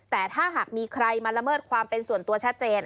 แต่ถ้าหากมีใครมาละเมิดความเป็นส่วนตัวชัดเจน